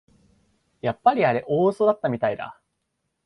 やっぱりあれ大うそだったみたいだ